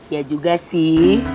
ya juga sih